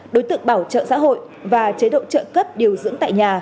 đối tượng bảo trợ xã hội và chế độ trợ cấp điều dưỡng tại nhà